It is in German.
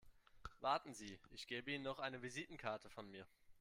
Warten Sie, ich gebe Ihnen noch eine Visitenkarte von mir.